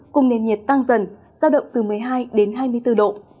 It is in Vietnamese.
cùng nền nhiệt tăng dần giao động từ một mươi hai đến hai mươi bốn độ